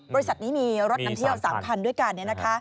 บริษัทนี้มีรถนำเที่ยว๓คันด้วยกัน